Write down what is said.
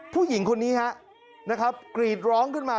ผู้หญิงคนนี้นะครับกรีดร้องขึ้นมา